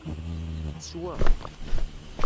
Teswa.